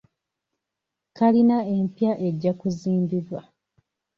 Kkalina empya ejja kuzimbibwa.